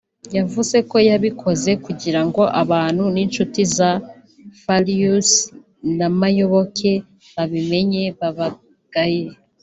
yavuze ko yabikoze kugirango abantu n’inshuti za Farious na Muyoboke babimenye babagaye